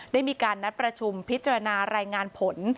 ได้มีการนัดประชุมพิจารณารายงานผล